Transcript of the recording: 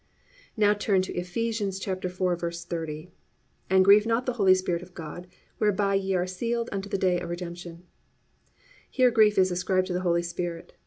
(6) Now turn to Eph. 4:30. +"And grieve not the Holy Spirit of God, whereby ye are sealed unto the day of redemption."+ Here grief is ascribed to the Holy Spirit.